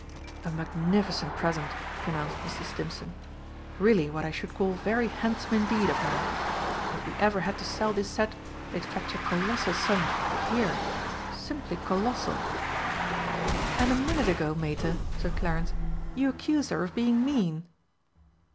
"A magnificent present!" pronounced Mr. Stimpson. "Really what I should call very handsome indeed of her. If we ever had to sell this set they'd fetch a colossal sum here simply colossal!" "And a minute ago, Mater," said Clarence, "you accused her of being mean!"